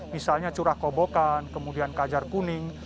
misalnya curah kobokan kemudian kajar kuning